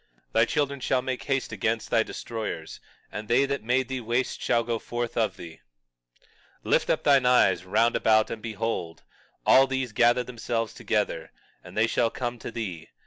21:17 Thy children shall make haste against thy destroyers; and they that made thee waste shall go forth of thee. 21:18 Lift up thine eyes round about and behold; all these gather themselves together, and they shall come to thee.